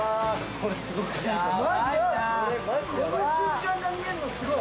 この瞬間が見えるのすごい。